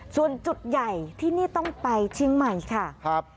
ส่วนจุดใหญ่ที่นี่ต้องไปชิงใหม่ค่ะ